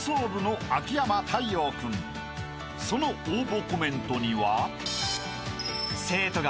［その応募コメントには］